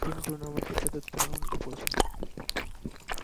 তিনি টুর্নামেন্টের চতুর্থ রাউন্ডে পৌঁছান।